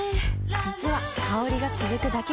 実は香りが続くだけじゃない